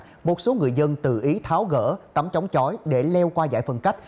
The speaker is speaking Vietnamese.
của một số người dân tự ý tháo gỡ tấm chống chói để leo qua dải phân cách